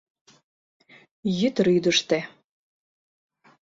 — Йӱдрӱдыштӧ.